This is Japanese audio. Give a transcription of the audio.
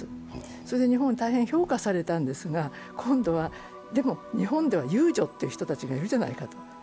それで大変、評価されたんですが今度は、でも日本には遊女という人がいるじゃないかと。